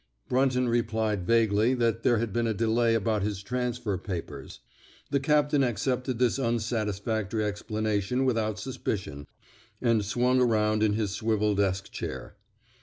" Brunton replied vaguely that there had been a delay about his transfer papers. The captain accepted that unsatisfactory expla nation without suspicion, and swung around in his swivel desk chair.